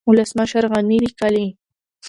ولسمشر غني ليکلي